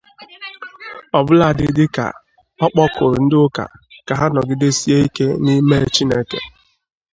ọbụladị dịka ọ kpọkuru ndị ụka ka ha nọgidesie ike n'ime Chineke